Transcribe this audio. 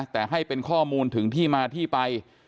แต่ให้เป็นข้อมูลถึงที่มาที่ไป